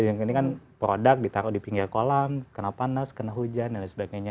yang ini kan produk ditaruh di pinggir kolam kena panas kena hujan dan lain sebagainya